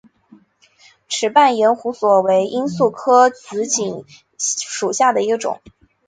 齿瓣延胡索为罂粟科紫堇属下的一个种。